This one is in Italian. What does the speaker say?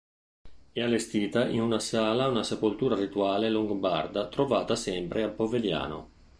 È allestita in una sala una sepoltura rituale Longobarda trovata sempre a Povegliano.